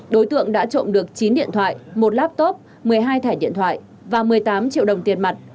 đối tượng đã trộm được chín điện thoại một laptop một mươi hai thẻ điện thoại và một mươi tám triệu đồng tiền mặt